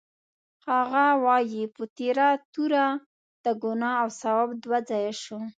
هغه وایي: په تېره توره د ګناه او ثواب دوه ځایه شو.